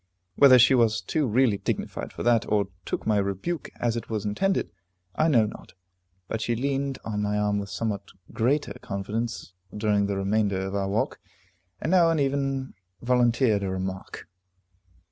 Whether she was too really dignified for that, or took my rebuke as it was intended, I know not, but she leaned on my arm with somewhat greater confidence during the remainder of our walk, and now and then even volunteered a remark.